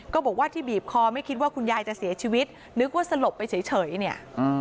ก็บอกว่าที่บีบคอไม่คิดว่าคุณยายจะเสียชีวิตนึกว่าสลบไปเฉยเนี่ย